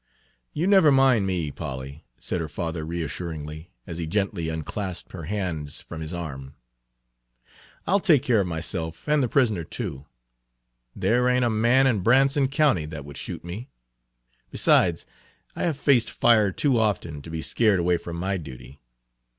"You never mind me, Polly," said her father reassuringly, as he gently unclasped her hands from his arm. " I'll take care of myself and the prisoner, too. There ain't a man in Branson County that would shoot me. Besides, I have faced fire too often to be scared away from my duty.